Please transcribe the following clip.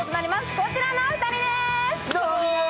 こちらのお二人でーす！